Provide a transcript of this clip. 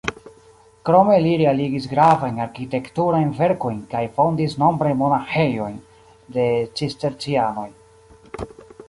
Krome li realigis gravajn arkitekturajn verkojn kaj fondis nombrajn monaĥejojn de Cistercianoj.